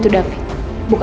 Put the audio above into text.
untuk memperbaiki diri kita